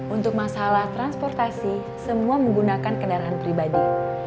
untuk masalah transportasi semua menggunakan kendaraan pribadi